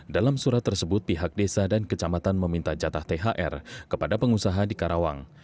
dalam surat tersebut pihak desa dan kecamatan meminta jatah thr kepada pengusaha di karawang